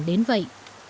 đến nơi này